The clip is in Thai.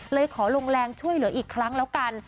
เลยขอลงแรงช่วยเหลืออีกครั้งแล้วกัน